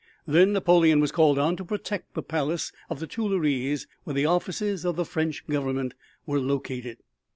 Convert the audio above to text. Then Napoleon was called on to protect the Palace of the Tuileries where the offices of the French Government were located.